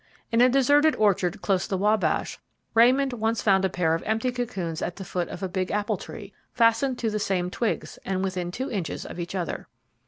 In a deserted orchard close the Wabash, Raymond once found a pair of empty cocoons at the foot of a big apple tree, fastened to the same twigs, and within two inches of each other.